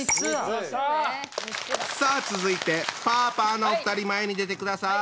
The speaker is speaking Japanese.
さあ続いてパーパーのお二人前に出てください。